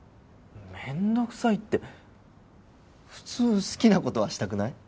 めんどくさいって普通好きな子とはシたくない？